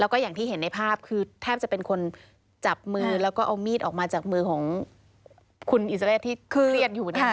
แล้วก็อย่างที่เห็นในภาพคือแทบจะเป็นคนจับมือแล้วก็เอามีดออกมาจากมือของคุณอิสระเศษที่เครียดอยู่นะคะ